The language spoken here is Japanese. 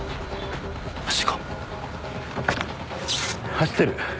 走ってる。